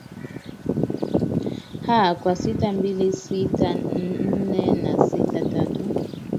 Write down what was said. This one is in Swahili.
aa kwa sita mbili sita nne na sita tatu